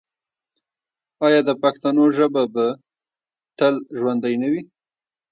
آیا د پښتنو ژبه به تل ژوندی نه وي؟